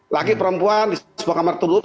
laki perempuan di sebuah kamar tubuh